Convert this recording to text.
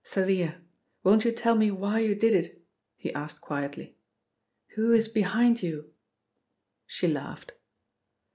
"Thalia, won't you tell me why you did it?" he asked quietly. "Who is behind you?" She laughed.